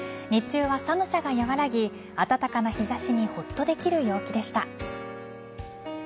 日中は寒さが和らぎ暖かな日差しにほっとできる陽気でした。